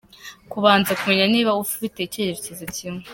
Kubanza kumenya niba mufite icyerekezo kimwe.